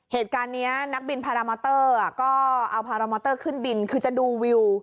เหตุการณ์เนี้ยนักบินอะก็เอาขึ้นบินคือจะดูวิว